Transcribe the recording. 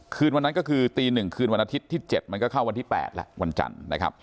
คืนวันนั้นก็คือตี๑คืนวันอาทิตย์ที่๗มันก็เข้าวันที่๘แล้ววันจันทร์นะครับ